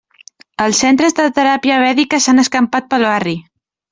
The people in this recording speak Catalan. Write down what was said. Els centres de teràpia vèdica s'han escampat pel barri.